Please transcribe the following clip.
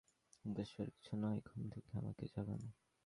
উদ্দেশ্য আর কিছু নয়, ঘুম থেকে আমাকে জাগানো।